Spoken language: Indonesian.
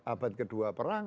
abad kedua perang